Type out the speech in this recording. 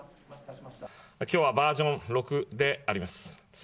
きょうはバージョン６であります。